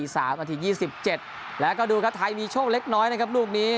นาที๒๗แล้วก็ดูครับไทยมีโชคเล็กน้อยนะครับลูกนี้